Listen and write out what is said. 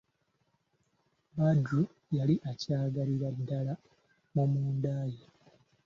Badru yali akyagalira ddala mu munda ye.